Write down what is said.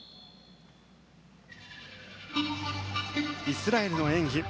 イスラエルの演技。